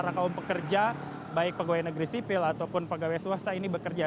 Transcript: para kaum pekerja baik pegawai negeri sipil ataupun pegawai swasta ini bekerja